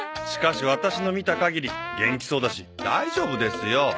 しかしワタシの診た限り元気そうだし大丈夫ですよ。